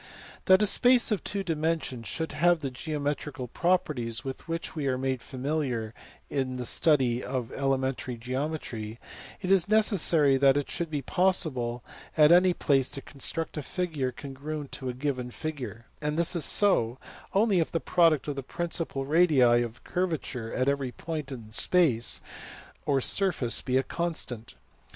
That a space of two dimensions should have the geometrical properties with which we are made familiar in the study of elementary geometry, it is necessary that it should be possible at any place to construct a figure congruent to a given figure ; and this is so only if the product of the principal radii of curvature at every point of the space or surface be constant.